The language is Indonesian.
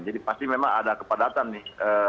jadi pasti memang ada kepadatan nih